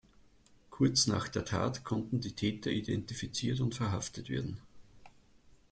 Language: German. Kurz nach der Tat konnten die Täter identifiziert und verhaftet werden.